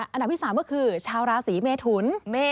อันดับที่๓ก็คือชาวราศีเมทุน